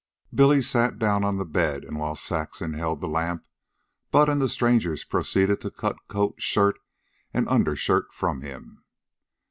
Billy sat down on the bed, and while Saxon held the lamp, Bud and the strangers proceeded to cut coat, shirt, and undershirt from him.